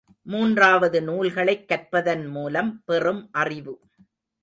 மூன்றாவது, நூல்களைக் கற்பதன் மூலம் பெறும் அறிவு.